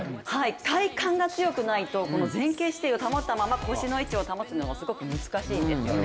体幹が強くないと、前傾姿勢を保ったまま腰の位置を保つのはすごく難しいんですよね。